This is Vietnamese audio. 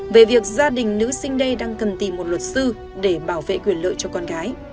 về việc gia đình nữ sinh đây đang cần tìm một luật sư để bảo vệ quyền lợi cho con gái